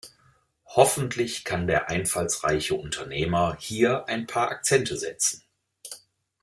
Hoffentlich kann der einfallsreiche Unternehmer hier ein paar Akzente setzen.